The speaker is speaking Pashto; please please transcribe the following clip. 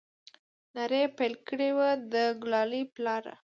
نارې يې پيل كړې وه د ګلالي پلاره!